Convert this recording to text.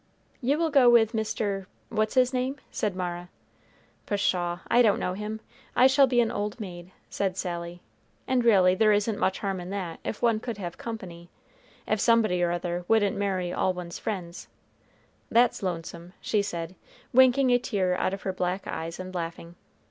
"You will go with Mr. what's his name?" said Mara. "Pshaw, I don't know him. I shall be an old maid," said Sally; "and really there isn't much harm in that, if one could have company, if somebody or other wouldn't marry all one's friends, that's lonesome," she said, winking a tear out of her black eyes and laughing.